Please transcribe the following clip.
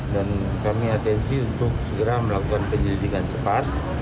dan kami atensi untuk segera melakukan penyelidikan cepat